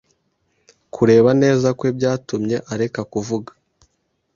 Kureba neza kwe byatumye areka kuvuga.